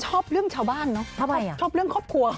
ชอบเรื่องชาวบ้านเนอะชอบเรื่องครอบครัว